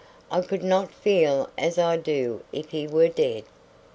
"I could not feel as I do if he were dead."